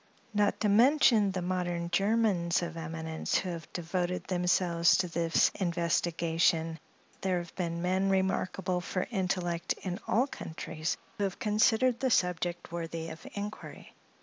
Not to mention the modern Germans of eminence, who have devoted themselves to this investigation, there have been men remarkable for intellect in all countries, who have considered the subject worthy of inquiry.